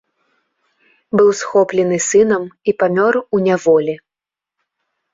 Быў схоплены сынам і памёр у няволі.